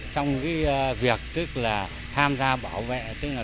trong việc tham gia bảo vệ